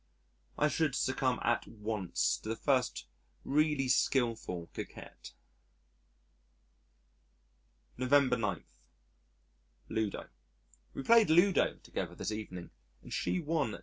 I should succumb at once to the first really skilful coquette. November 9. Ludo We played Ludo together this evening and she won 2s.